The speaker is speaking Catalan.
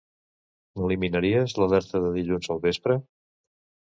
M'eliminaries l'alerta de dilluns al vespre?